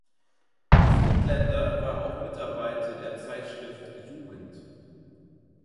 Friedlaender war auch Mitarbeiter der Zeitschrift "Jugend".